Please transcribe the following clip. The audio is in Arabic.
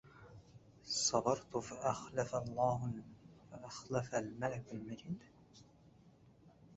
صبرت فأخلف الملك المجيد